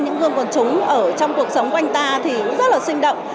những gương quân chúng ở trong cuộc sống quanh ta thì rất là sinh động